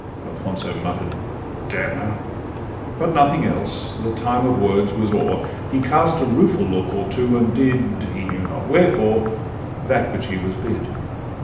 '—Alfonso mutter'd, 'D—n her,' But nothing else, the time of words was o'er; He cast a rueful look or two, and did, He knew not wherefore, that which he was bid.